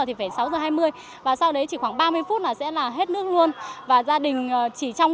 thì phải sáu giờ hai mươi và sau đấy chỉ khoảng ba mươi phút là sẽ là hết nước luôn và gia đình chỉ trong